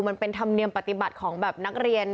มันเป็นธรรมเนียมปฏิบัติของแบบนักเรียน